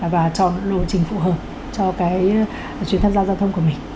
và chọn lộ trình phù hợp cho cái chuyến tham gia giao thông của mình